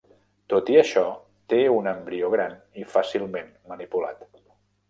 Tot i això, té un embrió gran i fàcilment manipulat.